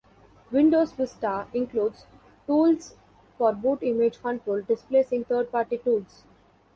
Windows Vista includes tools for boot image control, displacing third party tools.